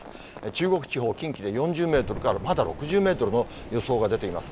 中国地方、近畿で４０メートルからまだ６０メートルの予想が出ています。